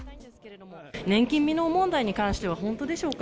年金未納問題に関しては、本当でしょうか？